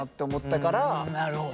なるほど。